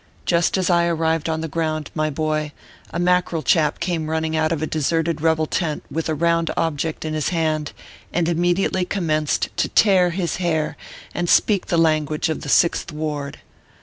Just as I arrived on the ground, my boy, a Mackerel chap came running out of a deserted rebel tent with a round object in his hand, and immediately commenced to tear his hair and speak the language of the Sixth Ward.